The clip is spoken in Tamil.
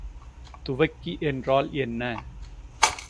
துவக்கி என்றால் என்ன?